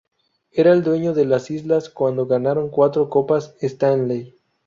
Era el dueño de las islas cuando ganaron cuatro Copas Stanley.